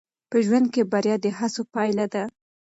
په ژوند کې بریا د هڅو پایله ده.